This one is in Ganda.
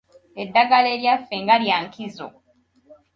Eddagala eryaffe nga lya nkizo.